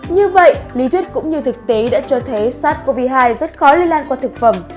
như vậy lý thuyết cũng như thực tế đã cho thấy sars cov hai rất khó lây lan qua thực phẩm